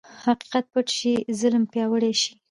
حقیقت پټ شي، ظلم پیاوړی شي.